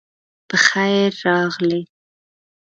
پخير راغلئ